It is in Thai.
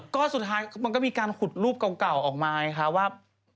ก็สุดท้ายมันก็มีการขุดรูปเก่าออกมาไงคะว่า